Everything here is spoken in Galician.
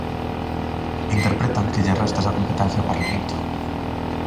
Interpretan que lle resta esa competencia ao Parlamento.